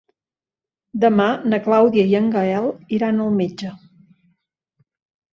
Demà na Clàudia i en Gaël iran al metge.